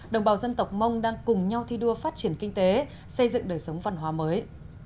đồng bào dân tộc mông đang cùng nhau thi đua phát triển kinh tế xây dựng đời sống văn hóa mới